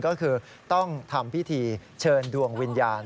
ก็คือต้องทำพิธีเชิญดวงวิญญาณ